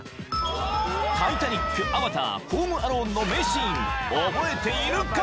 「タイタニック」「アバター」「ホーム・アローン」の名シーン覚えているか？